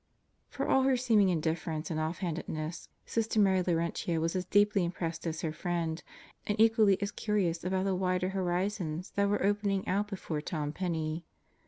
For all her seeming indifference and offhandedness, Sister Mary Laurentia was as deeply impressed as her friend, and equally as curious about the wider horizons that were opening out before Tom Penney.